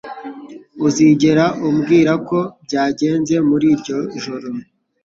Uzigera umbwira uko byagenze muri iryo joro